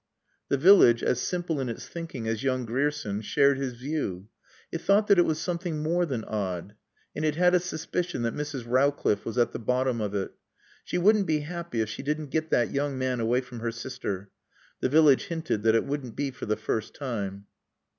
The village, as simple in its thinking as young Grierson, shared his view. It thought that it was something more than odd. And it had a suspicion that Mrs. Rowcliffe was at the bottom of it. She wouldn't be happy if she didn't get that young man away from her sister. The village hinted that it wouldn't be for the first time.